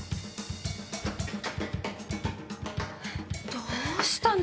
どうしたの？